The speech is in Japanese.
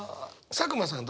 佐久間さん